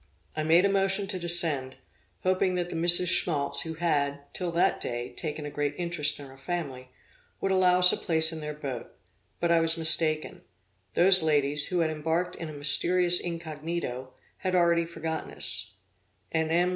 I made a motion to descend, hoping that the Misses Schmaltz, who had, till that day, taken a great interest in our family, would allow us a place in their boat; but I was mistaken: those ladies, who had embarked in a mysterious incognito, had already forgotten us; and M.